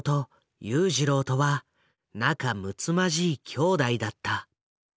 裕次郎とは仲むつまじい兄弟だった。